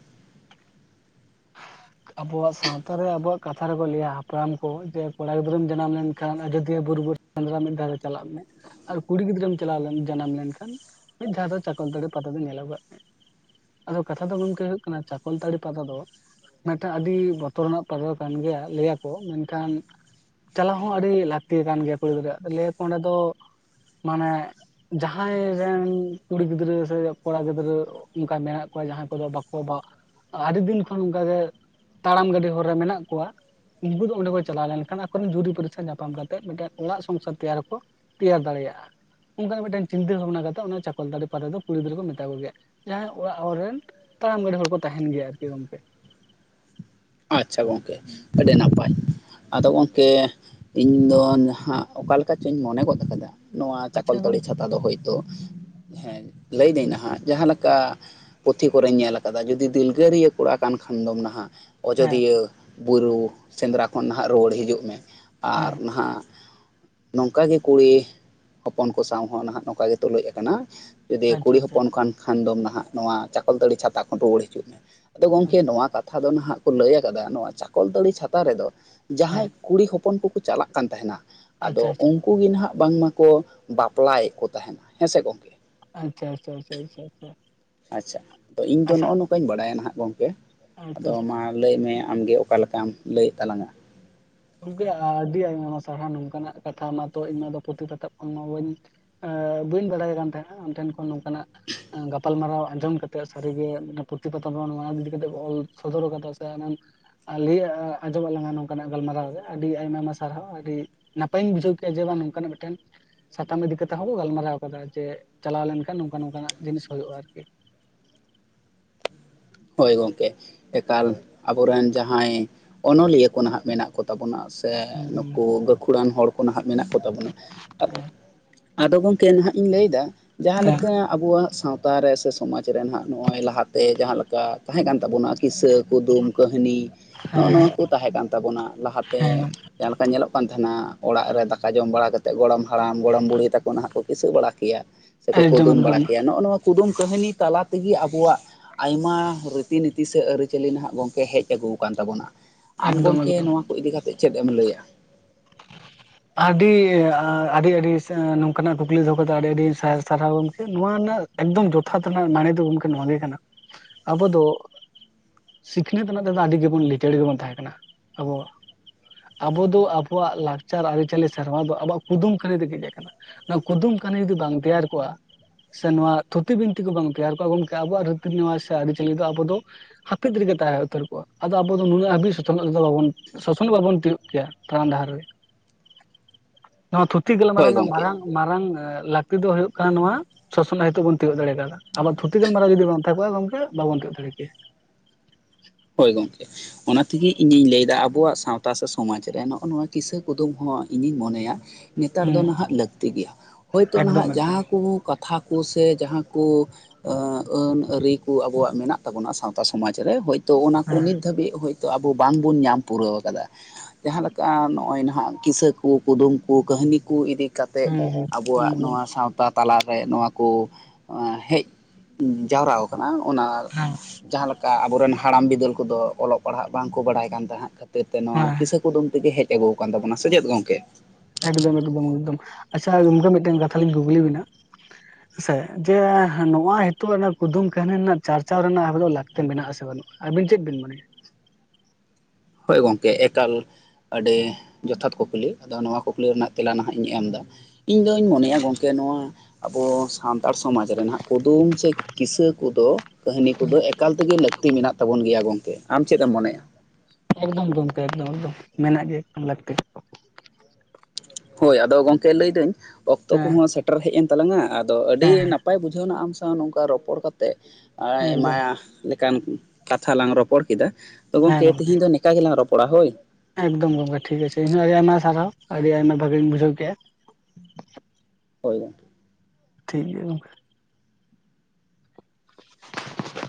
ᱟᱵᱚᱣᱟᱜ ᱥᱟᱸᱣᱛᱟ ᱨᱮ ᱟᱵᱚᱣᱟᱜ, ᱠᱟᱛᱷᱟ ᱨᱮᱠᱚ ᱞᱟᱹᱭᱟ ᱦᱟᱯᱲᱟᱢ ᱠᱚ ᱡᱮ ᱠᱚᱲᱟ ᱜᱤᱫᱽᱨᱟᱹᱢ ᱡᱟᱱᱟᱢ ᱞᱮᱱᱠᱷᱟᱱ ᱟᱡᱚᱫᱤᱭᱟᱹ ᱵᱩᱨᱩ ᱵᱤᱨ ᱥᱮᱸᱫᱽᱨᱟ ᱢᱤᱫ ᱫᱷᱟᱣ ᱫᱚ ᱪᱟᱞᱟᱜ ᱢᱮ᱾ ᱟᱨ ᱠᱩᱲᱤ ᱜᱤᱫᱽᱨᱟᱹᱢ ᱪᱟᱞᱟᱣ ᱞᱮ ᱡᱟᱱᱟᱢ ᱞᱮᱱᱠᱷᱟᱱ ᱢᱤᱫ ᱫᱷᱟᱣ ᱫᱚ ᱪᱟᱠᱚᱞᱛᱟᱹᱲᱤ ᱯᱟᱛᱟ ᱫᱚ ᱧᱮᱞ ᱟᱜᱩᱼᱟᱜ ᱢᱮ᱾ ᱟᱫᱚ ᱠᱟᱛᱷᱟ ᱫᱚ ᱜᱚᱢᱠᱮ ᱦᱩᱭᱩᱜ ᱠᱟᱱᱟ ᱪᱟᱠᱚᱞᱛᱟᱹᱲᱤ ᱯᱟᱛᱟ ᱫᱚ, ᱢᱤᱫᱴᱮᱱ ᱟᱹᱰᱤ ᱵᱚᱛᱚᱨᱟᱱᱟᱜ ᱯᱟᱛᱟ ᱠᱟᱱ ᱜᱮᱭᱟ ᱞᱟᱹᱭᱟᱠᱚ᱾ ᱢᱮᱱᱠᱷᱟᱱ, ᱪᱟᱞᱟᱣ ᱦᱚᱸ ᱟᱹᱰᱤ ᱞᱟᱹᱠᱛᱤ ᱠᱟᱱ ᱜᱮᱭᱟ ᱠᱩᱲᱤ ᱜᱤᱫᱽᱨᱟᱹ ᱾ᱞᱟᱹᱭ ᱟᱠᱚ ᱚᱸᱰᱮ ᱫᱚ ᱢᱟᱱᱮ, ᱡᱟᱦᱟᱸᱭ ᱨᱮᱱ ᱠᱩᱲᱤ ᱜᱤᱫᱽᱨᱟᱹ ᱥᱮ ᱠᱚᱲᱟ ᱜᱤᱫᱽᱨᱟᱹ, ᱚᱱᱠᱟ ᱢᱮᱱᱟᱜ ᱠᱚᱣᱟ ᱡᱟᱦᱟᱸᱭ ᱠᱚᱫᱚ ᱵᱟᱠᱚ ᱵᱟ ᱟᱹᱰᱤ ᱫᱤᱱ ᱠᱷᱚᱱ ᱚᱱᱠᱟᱜᱮ, ᱛᱟᱲᱟᱢ ᱜᱟᱹᱰᱮ ᱦᱚᱨ ᱨᱮ ᱢᱮᱱᱟᱜ ᱠᱚᱣᱟ᱾ ᱩᱱᱠᱩ ᱫᱚ ᱚᱸᱰᱮ ᱠᱚ ᱪᱟᱞᱟᱣ ᱞᱮᱱᱠᱷᱟᱱ ᱟᱠᱚᱨᱮᱱ ᱡᱩᱨᱤ ᱯᱟᱹᱨᱤᱥᱟ ᱧᱟᱯᱟᱢ ᱠᱟᱛᱮᱫ ᱢᱤᱫᱴᱟᱝ ᱚᱲᱟᱜ ᱥᱚᱝᱥᱟᱨ ᱛᱮᱭᱟᱨ ᱟᱠᱚ᱾ ᱛᱮᱭᱟᱨ ᱫᱟᱲᱮᱭᱟᱜᱼᱟ᱾ ᱚᱱᱠᱟ ᱜᱮ ᱢᱤᱫᱴᱮᱱ ᱪᱤᱱᱛᱟᱹ ᱵᱷᱟᱵᱽᱱᱟ ᱠᱟᱛᱮᱫ ᱚᱱᱟ ᱪᱟᱠᱚᱞᱛᱟᱹᱲᱤ ᱯᱟᱛᱟ ᱫᱚ ᱠᱩᱲᱤ ᱜᱤᱫᱽᱨᱟᱹ ᱠᱚ ᱢᱮᱛᱟ ᱠᱚ ᱜᱮᱭᱟ᱾ ᱡᱟᱦᱟᱸᱭ ᱚᱲᱟᱜ ᱦᱚᱲ ᱨᱮᱱ, ᱛᱟᱲᱟᱢ ᱜᱟᱸᱰᱮ ᱦᱚᱲ ᱠᱚ ᱛᱟᱦᱮᱸᱱ ᱜᱮᱭᱟ ᱟᱨᱠᱤ ᱜᱚᱝᱠᱮ᱾ ᱟᱪᱪᱷᱟ ᱜᱚᱝᱠᱮ ᱟᱹᱰᱤ ᱱᱟᱯᱟᱭ, ᱟᱫᱚ ᱜᱚᱝᱠᱮ, ᱤᱧ ᱫᱚ ᱱᱟᱦᱟᱜ ᱚᱠᱟ ᱞᱮᱠᱟ ᱪᱚᱧ ᱢᱚᱱᱮ ᱜᱚᱫ ᱠᱟᱫᱟ ᱱᱚᱣᱟ ᱟᱪᱪᱷᱟ ᱜᱚᱝ ᱪᱟᱠᱚᱞᱛᱟᱹᱲᱤ ᱪᱷᱟᱛᱟ᱾ ᱫᱚ ᱦᱚᱭᱛᱳ ᱦᱮᱸ ᱞᱟᱹᱭᱫᱟᱹᱧ ᱦᱟᱸᱜ ᱡᱟᱦᱟᱸ ᱞᱮᱠᱟ, ᱯᱩᱛᱷᱤ ᱠᱚᱨᱮᱧ ᱧᱮᱞ ᱠᱟᱫᱟ ᱡᱩᱫᱤ ᱫᱤᱞᱜᱟᱹᱨᱤᱭᱟᱹ ᱠᱚᱲᱟ ᱠᱟᱱ ᱠᱷᱟᱱ ᱫᱚᱢ ᱱᱟᱦᱟᱜ, ᱦᱮᱸ ᱚᱡᱚᱫᱤᱭᱟᱹ ᱵᱩᱨᱩ ᱥᱮᱸᱫᱽᱨᱟ ᱠᱷᱚᱱ ᱱᱟᱦᱟᱜ ᱨᱩᱣᱟᱹᱲ ᱦᱤᱡᱩᱜ ᱢᱮ᱾ ᱟᱨ ᱦᱮᱸ ᱱᱟᱦᱟᱜ ᱱᱚᱝᱠᱟ ᱜᱮ ᱠᱩᱲᱤ ᱦᱚᱯᱚᱱ ᱠᱚ ᱥᱟᱸᱣ ᱦᱚᱸ ᱱᱟᱦᱟᱜ ᱱᱚᱝᱠᱟ ᱜᱮ ᱛᱩᱞᱩᱡ ᱠᱟᱱᱟ᱾ ᱡᱩᱫᱤ ᱟᱪᱪᱷᱟ ᱠᱩᱲᱤ ᱟᱪᱪᱷᱟ ᱦᱚᱯᱚᱱ ᱠᱟᱱ ᱠᱷᱟᱱ ᱫᱚ ᱱᱟᱦᱟᱜ ᱱᱚᱣᱟ ᱪᱟᱠᱚᱞᱛᱟᱹᱲᱤ ᱪᱷᱟᱛᱟ ᱠᱷᱚᱱ ᱨᱩᱣᱟᱹᱲ ᱦᱤᱡᱩᱜ ᱢᱮ᱾ ᱟᱫᱚ ᱜᱚᱝᱠᱮ ᱱᱚᱣᱟ ᱠᱟᱛ ᱠᱟᱛᱷᱟ ᱫᱚ ᱱᱟᱦᱟᱜ ᱠᱚ ᱞᱟᱹᱭ ᱠᱟᱫᱟ, ᱱᱚᱣᱟ ᱪᱟᱠᱚᱞᱛᱟᱹᱲᱤ ᱪᱷᱟᱛᱟ ᱨᱮᱫᱚ ᱦᱮᱸ ᱡᱟᱦᱟᱸᱭ ᱠᱩᱲᱤ ᱦᱚᱯᱚᱱ ᱠᱚ ᱪᱟᱞᱟᱜ ᱠᱟᱱ ᱛᱟᱦᱮᱸᱱᱟ, ᱟᱪᱪᱷᱟ ᱟᱫᱚ ᱟᱪᱪᱷᱟ ᱩᱱ ᱩᱱᱠᱩ ᱜᱮ ᱱᱟᱦᱟᱜ ᱵᱟᱝᱢᱟ ᱠᱚ ᱵᱟᱯᱞᱟᱭᱮᱫ ᱠᱚ ᱛᱟᱦᱮᱸᱱᱟ᱾ ᱦᱮᱸ ᱥᱮ ᱜᱚᱢᱠᱮ, ᱟᱪᱪᱷᱟ ᱟᱪᱷᱟ ᱟᱪᱷᱟ ᱟᱪᱷᱟ᱾ ᱟᱪᱪᱷᱟ ᱟᱫᱚ ᱤᱧ ᱫᱚ ᱱᱚᱜᱼᱚᱭ ᱱᱚᱝᱠᱟᱧ ᱵᱟᱲᱟᱭᱟ ᱱᱟᱦᱟᱜ ᱜᱚᱝᱠᱮ ᱟᱪᱪᱷᱟ ᱟᱫᱚ ᱟᱪᱪᱷᱟ ᱢᱟ ᱞᱟᱹᱭᱢᱮ ᱟᱢᱜᱮ ᱚᱠᱟ ᱞᱮᱠᱟᱢ ᱞᱟᱹᱭᱮᱫ ᱛᱟᱞᱟᱝᱟ᱾ ᱜᱚᱢᱠᱮ ᱟᱹᱰᱤ ᱟᱭᱢᱟ ᱥᱟᱨᱦᱟᱣ ᱱᱚᱝᱠᱟᱱᱟᱜ ᱠᱟᱛᱷᱟ ᱢᱟᱛᱚ ᱤᱧ ᱢᱟ ᱫᱚ ᱯᱩᱛᱷᱤ ᱯᱚᱛᱚᱵᱽ ᱠᱷᱚᱱ ᱢᱟ ᱵᱟᱹᱧ ᱵᱟᱹᱧ ᱵᱟᱲᱟᱭ ᱠᱟᱱ ᱛᱟᱦᱮᱸᱱᱟ ᱟᱢᱴᱷᱮᱱ ᱠᱷᱚᱱ ᱱᱚᱝᱠᱟᱱᱟᱜ ᱜᱟᱯᱟᱞᱢᱟᱨᱟᱣ ᱟᱸᱡᱚᱢ ᱠᱟᱛᱮᱜ ᱥᱟᱹᱨᱤ ᱜᱮ ᱯᱨᱚᱛᱤᱯᱟᱛᱷᱟ ᱱᱚᱣᱟ ᱤᱫᱤ ᱠᱟᱛᱮᱜ ᱵᱚᱱ ᱚᱞ ᱥᱚᱫᱚᱨ ᱠᱟᱫᱟ ᱥᱮ, ᱞᱟᱹᱭ ᱟᱸᱡᱚᱢᱟ ᱟᱫ ᱞᱟᱝ-ᱟ ᱱᱚᱝᱠᱟᱱᱟᱜ ᱜᱟᱞᱢᱟᱨᱟᱣ᱾ ᱟᱹᱰᱤ ᱟᱭᱢᱟ ᱟᱭᱢᱟ ᱥᱟᱨᱦᱟᱣ ᱟᱹᱰᱤ ᱱᱟᱯᱟᱭᱤᱧ ᱵᱩᱡᱷᱟᱹᱣ ᱠᱮᱫᱼᱟ ᱡᱮ ᱵᱟᱝ ᱱᱚᱝᱠᱟᱱᱟᱜ ᱢᱤᱫᱴᱟᱹᱝ, ᱥᱟᱛᱟᱢ ᱤᱫᱤ ᱠᱟᱛᱮᱜ ᱦᱚᱸᱵᱚ ᱜᱟᱞᱢᱟᱨᱟᱣ ᱠᱟᱫᱟ ᱡᱮ ᱪᱟᱞᱟᱣ ᱞᱮᱱᱠᱷᱟᱱ ᱱᱚᱝᱠᱟ ᱱᱚᱝᱠᱟᱱᱟᱜ ᱡᱤᱱᱤᱥ ᱦᱩᱭᱩᱜ-ᱟ ᱟᱨᱠᱤ᱾ ᱦᱳᱭ ᱜᱚᱢᱠᱮ ᱮᱠᱟᱞ ᱟᱵᱚᱨᱮᱱ ᱡᱟᱦᱟᱸᱭ ᱚᱱᱚᱞᱤᱭᱟᱹ ᱠᱚ ᱱᱟᱦᱟᱜ ᱢᱮᱱᱟᱜ ᱠᱚ ᱵᱚᱱᱟ ᱥᱮ ᱦᱮᱸ ᱱᱩᱠᱩ ᱜᱟᱹᱠᱷᱩᱲᱟᱱ ᱦᱚᱲ ᱠᱚ ᱱᱟᱦᱟᱜ ᱢᱮᱱᱟᱜ ᱠᱚ ᱛᱟᱵᱚᱱᱟ᱾ ᱟᱫᱚ ᱜᱚᱝᱠᱮ ᱱᱟᱦᱟᱜ ᱤᱧ ᱞᱟᱹᱭᱫᱟ ᱡᱟᱦᱟᱸ ᱦᱮᱸ ᱞᱮᱠᱟ ᱟᱵᱚᱣᱟᱜ ᱥᱟᱶᱛᱟ ᱨᱮ ᱥᱮ ᱥᱚᱢᱟᱡᱽ ᱨᱮ ᱱᱟᱦᱟᱜ ᱱᱚᱜ-ᱚᱭ ᱞᱟᱦᱟᱛᱮ ᱡᱟᱦᱟᱸ ᱞᱮᱠᱟ ᱛᱟᱦᱮᱸ ᱠᱟᱱ ᱛᱟᱵᱚᱱᱟ ᱠᱤ ᱥᱟᱹᱠ ᱠᱩᱫᱩᱢ, ᱠᱟᱹᱦᱱᱤ ᱱᱚᱜ-ᱚ ᱱᱚᱣᱟ ᱠᱚ ᱦᱮᱸ ᱛᱟᱦᱮᱸ ᱠᱟᱱ ᱛᱟᱵᱚᱱᱟ ᱞᱟᱦᱟᱛᱮ ᱡᱟᱦᱟᱸ ᱞᱮᱠᱟ ᱧᱮᱞᱚᱜ ᱠᱟᱱ ᱛᱟᱦᱮᱱᱟ ᱚᱲᱟᱜ ᱨᱮ ᱫᱟᱠᱟ ᱡᱚᱢ ᱵᱟᱲᱟ ᱠᱟᱛ ᱮᱫ ᱜᱚᱲᱚᱢ ᱦᱟᱲᱟᱢ, ᱜᱚᱲᱚᱢ ᱵᱩᱲᱦᱤ ᱛᱟᱠᱚ ᱱᱟᱦᱟᱜ ᱠᱚ ᱠᱤᱥᱟᱹ ᱵᱟᱲᱟ ᱠᱮᱭᱟ ᱥᱮ ᱦᱮᱸ ᱠᱚ ᱮᱠᱫᱚᱢ ᱠᱩᱫᱩᱢ ᱵᱟᱲᱟ ᱮᱠᱫᱚᱢ ᱠᱮᱭᱟ ᱱᱚᱜ-ᱚ ᱱᱚᱣᱟ ᱠᱩᱫᱩᱢ ᱠᱟᱹᱦᱱᱤ ᱛᱟᱞᱟ ᱛᱮᱜᱮ ᱟᱵᱚᱣᱟᱜ ᱢᱟ ᱨᱤᱛᱤ-ᱱᱤᱛᱤ ᱥᱮ ᱟᱹᱨᱤᱪᱟᱹᱞᱤ ᱱᱟᱦᱟᱜ ᱜᱚᱝᱠᱮ ᱦᱮᱡ ᱟᱹᱜᱩᱣ ᱠᱟᱱ ᱛᱟᱵᱚᱱᱟ᱾ ᱟᱢ ᱮᱠᱫᱚᱢ ᱜᱚᱢᱠᱮ ᱮᱠᱫᱚᱢ ᱱᱚᱣᱟ ᱠᱚ ᱤᱫᱤ ᱠᱟᱛᱮᱫ ᱪᱮᱫ ᱮᱢ ᱞᱟᱹᱭᱟ? ᱟᱹᱰᱤ ᱟ ᱟᱹᱰᱤ ᱟᱹᱰᱤ ᱱᱚᱝᱠᱟᱱᱟᱜ ᱠᱩᱠᱞᱤ ᱫᱚᱦᱚ ᱠᱟᱛᱮᱫ ᱟᱹᱰᱤ ᱟᱹᱰᱤ ᱥᱟᱭ ᱥᱟᱨᱦᱟᱣ ᱜᱚᱢᱠᱮ᱾ ᱱᱚᱣᱟ ᱨᱮᱱᱟᱜ ᱮᱠᱫᱚᱢ ᱡᱚᱛᱷᱟᱛ ᱨᱮᱱᱟᱜ ᱢᱟᱱᱮ ᱫᱚ ᱜᱚᱢᱠᱮ ᱱᱚᱣᱟ ᱜᱮ ᱠᱟᱱᱟ᱾ ᱟᱵᱚ ᱫᱚ ᱥᱤᱠᱷᱱᱟᱹᱛ ᱨᱮᱱᱟᱜ ᱛᱮᱫᱚ ᱟᱹᱰᱤ ᱜᱮᱵᱚᱱ ᱞᱤᱪᱟᱹᱲ ᱜᱮᱵᱚᱱ ᱛᱟᱦᱮᱸ ᱠᱟᱱᱟ᱾ ᱟᱵᱚᱭᱟᱜ ᱟᱵᱚ ᱫᱚ ᱟᱵᱚᱣᱟᱜ ᱞᱟᱠᱪᱟᱨ ᱟᱹᱨᱤᱪᱟᱹᱞᱤ ᱥᱮᱨᱣᱟ ᱫᱚ ᱟᱵᱚᱣᱟᱜ ᱠᱩᱫᱩᱢ ᱠᱟᱹᱦᱱᱤ ᱛᱮᱜ ᱦᱮᱡ ᱟᱠᱟᱱᱟ᱾ ᱱᱚᱣᱟ ᱠᱩᱫᱩᱢ ᱠᱟᱹᱦᱱᱤ ᱡᱩᱫᱤ ᱵᱟᱝ ᱛᱮᱭᱟᱨ ᱠᱚᱜᱼᱟ ᱥᱮ ᱱᱚᱣᱟ ᱛᱷᱩᱛᱤ ᱵᱤᱱᱛᱤ ᱠᱚ ᱵᱟᱝ ᱛᱮᱭᱟᱨ ᱠᱚᱜ-ᱟ ᱜᱚᱢᱠᱮ ᱟᱵᱚᱣᱟᱜ ᱨᱤᱛᱤ ᱱᱮᱣᱟᱡ ᱥᱮ ᱟᱹᱨᱤᱪᱟᱹᱞᱤ ᱫᱚ ᱟᱵᱚ ᱫᱚ ᱦᱟᱹᱯᱤᱫ ᱨᱮᱜᱮ ᱛᱟᱦᱮᱸ ᱩᱛᱟᱹᱨ ᱠᱚᱜ-ᱟ᱾ ᱟᱫᱚ ᱟᱵᱚ ᱫᱚ ᱱᱩᱱᱟᱹᱜ ᱦᱟᱹᱵᱤᱡ ᱥᱚᱥᱱᱚᱜ ᱨᱮᱫᱚ ᱵᱟᱵᱚᱱ ᱥᱟᱥᱚᱱᱚᱜ ᱵᱟᱵᱟᱱ ᱛᱤᱭᱳᱜ ᱠᱮᱭᱟ᱾ ᱛᱟᱲᱟᱢ ᱰᱟᱦᱟᱨ ᱨᱮ᱾ ᱱᱚᱣᱟ ᱛᱷᱩᱛᱤ ᱜᱟᱞᱢᱟᱨᱟᱣ ᱦᱳᱭ ᱨᱮᱱᱟᱜ ᱜᱚᱢᱠᱮ ᱢᱟᱨᱟᱝ ᱢᱟᱨᱟᱝ ᱞᱟᱹᱠᱛᱤ ᱫᱚ ᱦᱳᱭᱚᱜ ᱠᱟᱱᱟ ᱱᱚᱣᱟ ᱥᱚᱥᱱᱚᱜ ᱦᱮᱛᱳᱜ ᱵᱚᱱ ᱛᱤᱭᱳᱜ ᱫᱟᱲᱮ ᱟᱠᱟᱫᱟ᱾ ᱟᱵᱚᱣᱟᱜ ᱛᱷᱩᱛᱤ ᱜᱟᱞᱢᱟᱨᱟᱣ ᱡᱩᱫᱤ ᱵᱟᱝ ᱛᱟᱦᱮᱸ ᱠᱚᱜᱼᱟ ᱜᱚᱢᱠᱮ, ᱵᱟᱵᱚᱱ ᱛᱤᱭᱳ ᱫᱟᱲᱮ ᱠᱮᱭᱟ᱾ ᱦᱳᱭ ᱜᱚᱝᱠᱮ᱾ ᱚᱱᱟ ᱛᱮᱜᱮ ᱤᱧᱤᱧ ᱞᱟᱹᱭᱫᱟ ᱟᱵᱚᱣᱟᱜ ᱥᱟᱶᱛᱟ ᱥᱮ ᱥᱚᱢᱟᱡᱽ ᱨᱮ ᱱᱚᱜ-ᱚ ᱱᱚᱣᱟ ᱠᱤᱥᱟᱹ ᱠᱩᱫᱩᱢ ᱦᱚᱸ ᱤᱧᱤᱧ ᱢᱚᱱᱮᱭᱟ᱾ ᱱᱮᱛᱟᱨ ᱫᱚ ᱦᱩᱸ ᱱᱟᱦᱟᱜ ᱞᱟᱹᱠᱛᱤ ᱜᱮᱭᱟ᱾ ᱦᱳᱭᱛᱳ ᱮᱠᱫᱚᱢ ᱱᱟᱦᱟᱜ ᱮᱠᱫᱚᱢ ᱡᱟᱦᱟᱸ ᱠᱚ ᱠᱟᱛᱷᱟ ᱠᱚ ᱥᱮ ᱡᱟᱦᱟᱸ ᱠᱚ ᱟ ᱟᱹᱱ ᱟᱹᱨᱤ ᱠᱚ ᱟᱵᱚᱣᱟᱜ ᱢᱮᱱᱟᱜ ᱛᱟᱵᱚᱱᱟ ᱥᱟᱶᱛᱟ ᱥᱚᱢᱟᱡ ᱨᱮ ᱦᱳᱭ ᱛᱚ ᱚᱱᱟ ᱠᱚ ᱦᱮᱸ ᱱᱤᱛ ᱫᱷᱟᱹᱵᱤᱡ ᱦᱳᱭᱛᱚ ᱟᱵᱚ ᱵᱟᱝᱵᱚᱱ ᱧᱟᱢ ᱯᱩᱨᱟᱹᱣ ᱟᱠᱟᱫᱟ᱾ ᱡᱟᱦᱟᱸ ᱞᱮᱠᱟ ᱱᱚᱜ-ᱚᱭ ᱱᱟᱦᱟᱜ ᱠᱤᱥᱟᱹ ᱠᱚ, ᱠᱩᱫᱩᱢ ᱠᱚ, ᱠᱟᱹᱦᱱᱤ ᱠᱚ ᱤᱫᱤ ᱠᱟᱛᱮᱫ ᱦᱩᱸ ᱟᱵᱚᱣᱟᱜ ᱦᱩᱸ ᱱᱚᱣᱟ ᱥᱟᱶᱛᱟ᱾ ᱛᱟᱞᱟᱨ ᱨᱮ ᱱᱚᱣᱟ ᱠᱚ ᱦᱮᱡ ᱡᱟᱣᱨᱟᱣ ᱠᱟᱱᱟ ᱚᱱᱟ ᱡᱟᱦᱟᱸ ᱞᱮᱠᱟ ᱟᱵᱚ ᱨᱮᱱ ᱦᱟᱲᱟᱢ ᱵᱤᱫᱟᱹᱞ ᱠᱚᱫᱚ ᱚᱞᱚᱜ ᱯᱟᱲᱦᱟᱜ ᱵᱟᱝᱠᱚ ᱵᱟᱲᱟᱭ ᱠᱟᱱ ᱛᱟᱦᱮᱸᱫ ᱠᱷᱟᱹᱛᱤᱨ ᱛᱮ ᱱᱚᱣᱟ ᱠᱤᱥᱟᱹ ᱠᱤᱥᱟᱹ ᱠᱩᱫᱩᱢ ᱛᱮᱜᱮ ᱦᱮᱡ ᱟᱹᱜᱩᱣ ᱟᱠᱟᱱ ᱛᱟᱵᱱᱟ ᱪᱮ ᱪᱮᱫ ᱜᱚᱝᱠᱮ? ᱮᱠᱫᱚᱢ ᱮᱠᱫᱚᱢ ᱮᱠᱫᱚᱢ᱾ ᱟᱪᱪᱷᱟ ᱜᱚᱢᱠᱮ ᱢᱤᱫᱴᱮᱱ ᱠᱟᱛᱷᱟ ᱞᱤᱧ ᱠᱩᱠᱞᱤ ᱵᱮᱱᱟ᱾ ᱦᱮ ᱥᱮ ᱡᱮ ᱱᱚᱣᱟ ᱦᱤᱛᱚᱜ ᱦᱟᱱᱟ ᱠᱩᱫᱩᱢ ᱠᱟᱹᱦᱱᱤ ᱨᱮᱱᱟᱜ ᱪᱟᱨᱪᱟᱣ ᱨᱮᱱᱟᱜ ᱦᱟᱠ ᱫᱚ ᱞᱟᱹᱠᱛᱤ ᱢᱮᱱᱟᱜ-ᱟ ᱥᱮ ᱵᱟᱹᱱᱩᱜ? ᱟᱹᱵᱤᱱ ᱪᱮᱫ ᱵᱤᱱ ᱢᱟᱱᱮᱭᱟ? ᱦᱳᱭ ᱜᱚᱢᱠᱮ ᱮᱠᱟᱞ᱾ ᱟᱹᱰᱤ ᱡᱚᱛᱷᱟᱛ ᱠᱩᱠᱞᱤ ᱟᱫᱚ ᱱᱚᱣᱟ ᱠᱩᱠᱞᱤ ᱨᱮᱱᱟᱜ ᱛᱮᱞᱟ ᱱᱟᱦᱟᱜ ᱤᱧ ᱮᱢᱫᱟ᱾ ᱤᱧ ᱫᱩᱧ ᱢᱚᱱᱮᱭᱟ ᱜᱚᱝᱠᱮ ᱱᱚᱣᱟ ᱟᱵᱚ ᱥᱟᱱᱛᱟᱲ ᱥᱚᱢᱟᱡᱽ ᱨᱮ ᱱᱟᱦᱟᱜ ᱠᱩᱫᱩᱢ ᱥᱮ ᱠᱤᱥᱟᱹ ᱠᱚᱫᱚ ᱠᱟᱹᱦᱱᱤ ᱠᱚᱫᱚ ᱮᱠᱟᱞ ᱛᱮ ᱜᱮ ᱞᱟᱹᱠᱛᱤ ᱢᱮᱱᱟᱜ ᱛᱟᱵᱚᱱ ᱜᱮᱭᱟ ᱜᱚᱝᱠᱮ᱾ ᱟᱢ ᱪᱮᱫ ᱮᱢ ᱢᱚᱱᱮᱭᱟ? ᱮᱠᱫᱚᱢ ᱜᱚᱢᱠᱮ ᱮᱠᱫᱚᱢ ᱮᱠᱫᱚᱢ᱾ ᱢᱮᱱᱟᱜ ᱜᱮ ᱮᱠᱫᱲᱢ ᱞᱟᱹᱠᱛᱤ᱾ ᱦᱳᱭ ᱟᱫᱚ ᱜᱚᱢᱠᱮ ᱞᱟᱹᱭᱫᱟᱹᱧ ᱚᱠᱛᱚ ᱦᱮᱸ ᱠᱚᱦᱚᱸ ᱥᱮᱴᱮᱨ ᱦᱮᱡ ᱮᱱ ᱛᱟᱞᱟᱝᱟ ᱟᱫᱚ ᱟᱹᱰᱤ ᱦᱮᱸ ᱱᱟᱯᱟᱭ ᱵᱩᱡᱷᱟᱹᱣ ᱮᱱᱟ ᱟᱢ ᱥᱟᱶ ᱱᱚᱝᱠᱟ ᱨᱚᱯᱚᱲ ᱠᱟᱛᱮᱜ ᱦᱮᱸ ᱟᱭᱢᱟ ᱮᱠᱫᱚᱢ ᱞᱮᱠᱟᱱ ᱠᱟᱛᱷᱟ ᱞᱟᱝ ᱨᱚᱯᱚᱲ ᱠᱮᱫᱟ᱾ ᱛᱚ ᱜᱚᱝᱠᱮ ᱛᱤᱦᱤᱧ ᱫᱚ ᱱᱮᱠᱟ ᱜᱮᱞᱟᱝ ᱨᱚᱯᱚᱲᱟ ᱦᱳᱭ᱾ ᱮᱠᱫᱚᱢ ᱜᱚᱝᱠᱮ ᱴᱷᱤᱠ ᱜᱟᱪᱷᱮ ᱤᱧ ᱦᱚᱸ ᱟᱭ ᱟᱭᱢᱟ ᱥᱟᱨᱦᱟᱣ᱾ ᱟᱹᱰᱤ ᱟᱭᱢᱟ ᱵᱷᱟᱹᱜᱤᱧ ᱵᱩᱡᱷᱟᱹᱣ ᱠᱮᱜ-ᱟ᱾ ᱦᱳᱭ ᱜᱚᱝᱠᱮ᱾ ᱴᱷᱤᱠ ᱜᱮᱭᱟ ᱜᱚᱝᱠᱮ ᱾ [inaudible]